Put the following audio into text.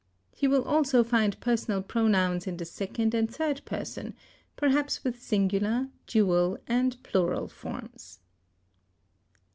He will also find personal pronouns in the second and third person, perhaps with singular, dual, and plural forms.